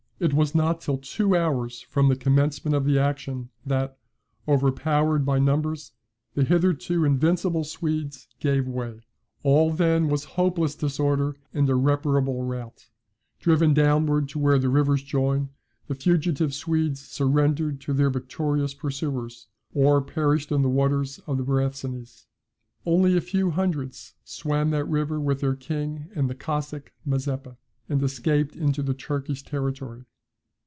It was not till two hours from the commencement of the action that, overpowered by numbers, the hitherto invincible Swedes gave way. All was then hopeless disorder and irreparable rout. Driven downward to where the rivers join, the fugitive Swedes surrendered to their victorious pursuers, or perished in the waters of the Borysthenes. Only a few hundreds swam that river with their king and the Cossack Mazeppa, and escaped into the Turkish territory.